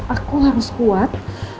aku harus kuat